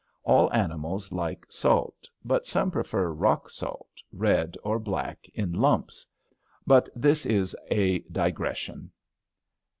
All animals like salt, but some prefer rock salt, red or black in lumps. But this is a digression.